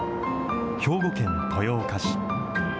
兵庫県豊岡市。